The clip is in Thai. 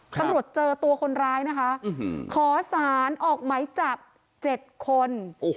ตำรวจเจอตัวคนร้ายนะคะขอสารออกไหมจับ๗คน